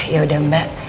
ya udah mbak